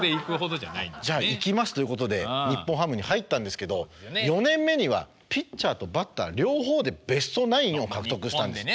「じゃあ行きます」ということで日本ハムに入ったんですけど４年目にはピッチャーとバッター両方でベストナインを獲得したんです。